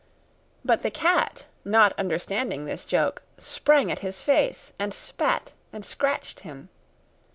But the cat, not understanding this joke, sprang at his face, and spat, and scratched at him.